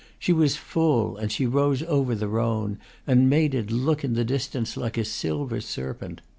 She was full, and she rose over the Rhone, and made it look in the distance like a silver serpent.